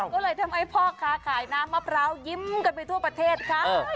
ก็เลยทำให้พ่อค้าขายน้ำมะพร้าวยิ้มกันไปทั่วประเทศค่ะ